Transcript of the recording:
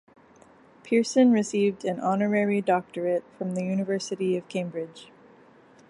Pierson received an honorary doctorate from the University of Cambridge.